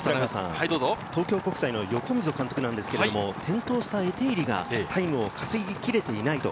東京国際の横溝監督ですが、転倒したエティーリが、タイムを稼ぎ切れていないと。